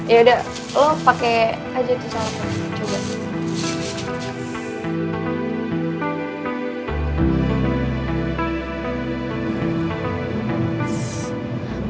yaudah lo pake aja tuh sama gue coba